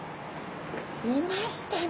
いましたね。